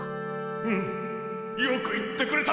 うんよく言ってくれた！